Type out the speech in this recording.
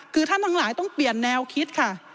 คือท่านทั้งหลายต้องเปลี่ยนแนวคิดค่ะ